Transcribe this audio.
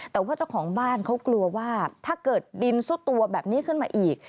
แต่ว่าเจ้าของบ้านเขากลัวว่าถ้าเกิดดินซุดตัวแบบนี้ขึ้นมาอีก